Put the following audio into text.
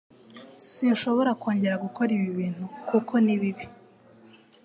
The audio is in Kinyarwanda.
Sinshobora kongera gukora ibi bintu kuko ni bibi.